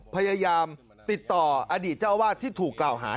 พยายามติดต่ออดีตเจ้าอาวาสที่ถูกกล่าวหา